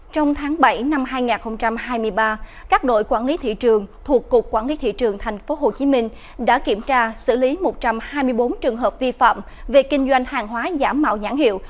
trong tháng bảy năm hai nghìn hai mươi ba các đội quản lý thị trường thuộc cục quản lý thị trường tp hcm đã kiểm tra xử lý một trăm hai mươi bốn trường hợp vi phạm về kinh doanh hàng hóa giả mạo nhãn hiệu